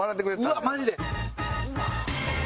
うわっマジで？